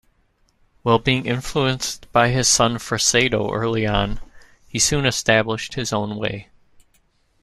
While being influenced by Fresedo early on, he soon established his own way.